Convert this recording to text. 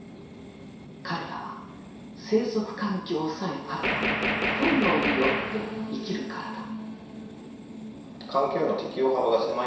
彼らは生息環境さえあれば本能によって生きるからだ。